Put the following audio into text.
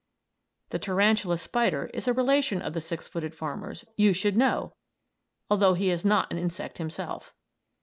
The tarantula spider is a relation of the six footed farmers, you should know, although he is not an insect himself.